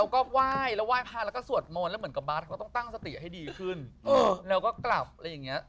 ก็ต้องตั้งสติให้ดีขึ้นแล้วก็กลับอะไรอย่างเงี้ย